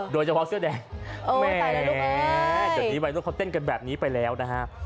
โดยเฉพาะเสื้อแดดแหมตอนนี้ไว้ต้องเขาเต้นกันแบบนี้ไปแล้วนะครับ